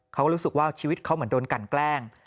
เขารู้สึกว่าชีวิตเขาเหมือนโดนกันแกล้ง